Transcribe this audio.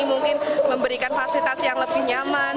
mungkin memberikan fasilitas yang lebih nyaman